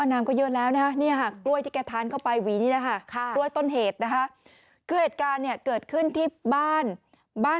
อายุอาณามก็เยอะแล้วนะ